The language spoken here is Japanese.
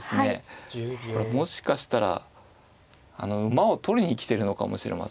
もしかしたら馬を取りに来てるのかもしれませんね。